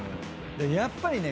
やっぱりね。